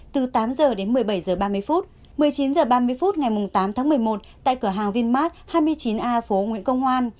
từ tám giờ đến một mươi bảy giờ ba mươi phút một mươi chín giờ ba mươi phút ngày tám tháng một mươi một tại cửa hàng vinmart hai mươi chín a phố nguyễn công hoan